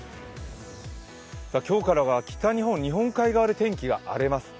今日からは北日本、日本海側で天気が荒れます。